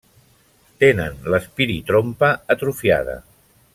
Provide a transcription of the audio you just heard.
Tenen l'espiritrompa atrofiada.